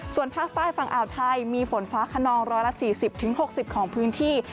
ส่วนภาคใต้ฝั่งอ่าวไทยมีฝนฟ้าขนอง๑๔๐๖๐ของพื้นที่